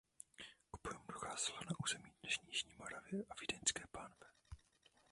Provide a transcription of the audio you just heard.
K bojům docházelo na území dnešní jižní Moravy a Vídeňské pánve.